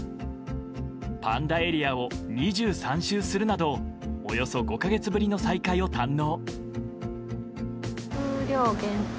パンダエリアを２３周するなどおよそ５か月ぶりの再会を堪能。